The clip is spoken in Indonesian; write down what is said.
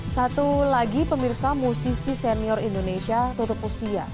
satu lagi pemirsa musisi senior indonesia tutup usia